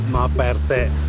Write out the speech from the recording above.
maaf pak rt